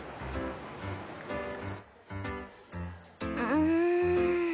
うん。